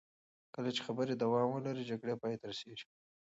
کله چې خبرې دوام ولري، جګړې پای ته رسېږي.